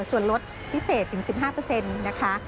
ส่วนลดพิเศษถึง๑๕เปอร์เซ็นต์นะคะ